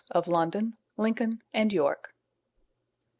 of London, Lincoln, and York.